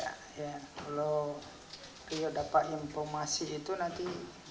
kalau rio dapat informasi itu nanti